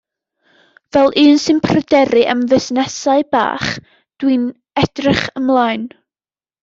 Fel un sy'n pryderu am fusnesau bach, dw i'n edrych ymlaen.